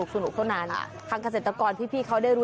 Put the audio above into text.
อยู่นานทั้งเกษตรกรพี่พี่เขาน่า